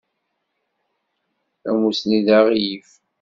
Tamusni d aɣilif.